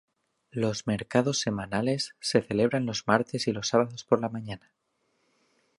Los mercados semanales se celebran los martes y los sábados por la mañana.